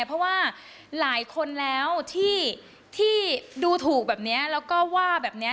เพราะว่าหลายคนแล้วที่ดูถูกแบบนี้แล้วก็ว่าแบบนี้